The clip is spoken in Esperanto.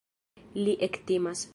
Li ektimas.